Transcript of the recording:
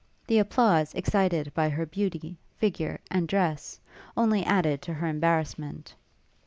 The applause excited by her beauty, figure, and dress, only added to her embarrassment.